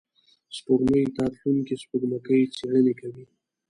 سپوږمۍ ته تلونکي سپوږمکۍ څېړنې کوي